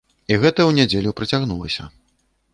І гэта ў нядзелю працягнулася.